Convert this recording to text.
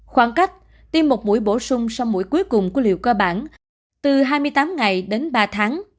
khoảng cách tiêm một mũi bổ sung sau mũi cuối cùng của liều cơ bản từ hai mươi tám ngày đến ba tháng